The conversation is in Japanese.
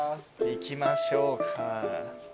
行きましょうか。